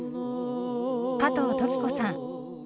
加藤登紀子さん